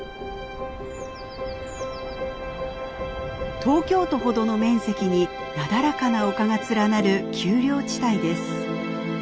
東京都ほどの面積になだらかな丘が連なる丘陵地帯です。